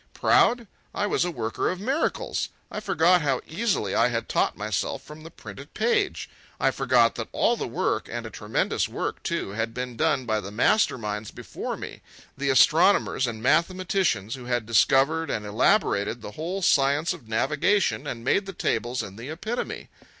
Proud? I was a worker of miracles. I forgot how easily I had taught myself from the printed page. I forgot that all the work (and a tremendous work, too) had been done by the masterminds before me, the astronomers and mathematicians, who had discovered and elaborated the whole science of navigation and made the tables in the "Epitome."